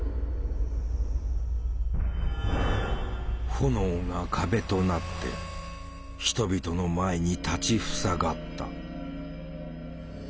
炎が壁となって人々の前に立ち塞がった。